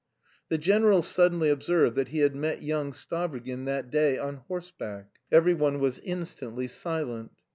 The general suddenly observed that he had met "young Stavrogin" that day, on horseback.... Every one was instantly silent.